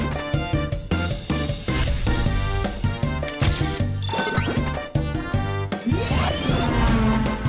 ขอโทษครับคุณนอนเกะกะไหมครับ